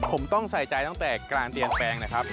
ผมต้องใส่ใจตั้งแต่การเปลี่ยนแปลงนะครับ